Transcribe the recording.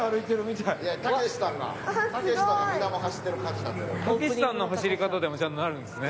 たけしさんの走り方でもちゃんとなるんですね。